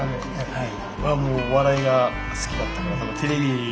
はい。